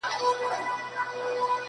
اوس چي تا حواب راکړی خپل طالع مي ژړوینه٫